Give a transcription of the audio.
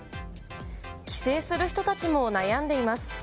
帰省する人たちも悩んでいます。